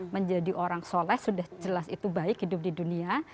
menjadi orang soleh sudah jelas itu baik hidup di dunia